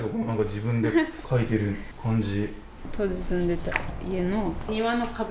自分で描いてる感じ。